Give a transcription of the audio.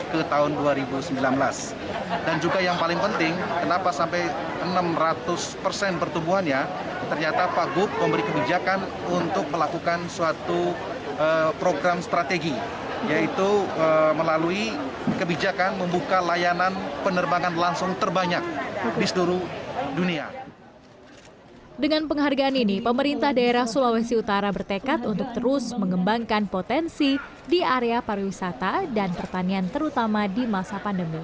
kedua sektor ini menjadi pendong kerasa